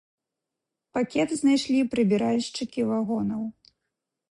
Пакет знайшлі прыбіральшчыкі вагонаў.